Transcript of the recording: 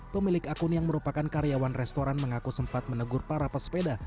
pemilik akun yang merupakan karyawan restoran mengaku sempat menegur para pesepeda